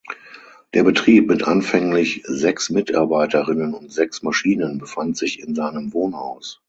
Der Betrieb mit anfänglich sechs Mitarbeiterinnen und sechs Maschinen befand sich in seinem Wohnhaus.